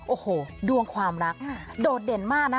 โอ้โหดวงความรักโดดเด่นมากนะ